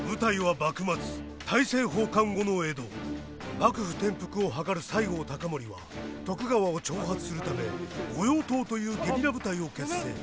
幕府転覆を謀る西郷隆盛は徳川を挑発するため御用盗というゲリラ部隊を結成。